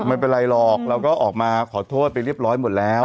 ไม่เป็นไรหรอกเราก็ออกมาขอโทษไปเรียบร้อยหมดแล้ว